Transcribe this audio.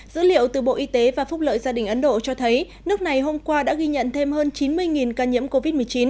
dữ liệu từ bộ y tế và phúc lợi gia đình ấn độ cho thấy nước này hôm qua đã ghi nhận thêm hơn chín mươi ca nhiễm covid một mươi chín